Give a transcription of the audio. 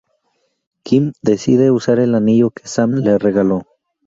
Quinn decide usar el anillo que Sam le regalo.